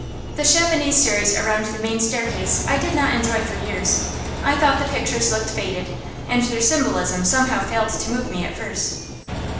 The Chavannes series around the main staircase I did not enjoy for years. I thought the pictures looked faded, and their symbolism somehow failed to move me at first.